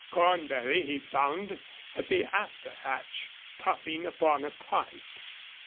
Cornbury he found at the after hatch, puffing upon a pipe.